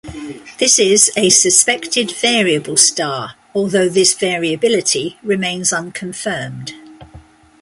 This is a suspected variable star, although this variability remains unconfirmed.